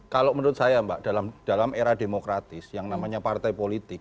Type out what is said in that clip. kalau menurut saya mbak dalam era demokratis yang namanya partai politik